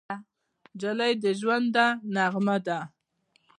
نجلۍ د ژونده نغمه ده.